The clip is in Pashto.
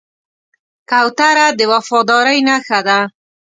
کوتره د وفادارۍ نښه ده.